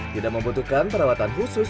tidak membutuhkan perawatan khusus